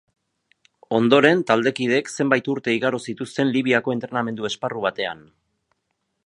Ondoren, taldekideek zenbait urte igaro zituzten Libiako entrenamendu-esparru batean.